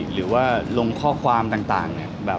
หรือว่าลงข้อความต่างเนี่ย